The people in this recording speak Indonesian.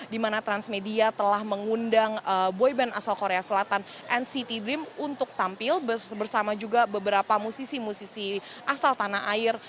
di mana transmedia telah mengundang boyband asal korea selatan nct dream untuk tampil bersama juga beberapa musisi musisi asal tanah air